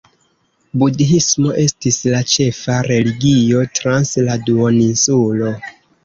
Budhismo estis la ĉefa religio trans la duoninsulo.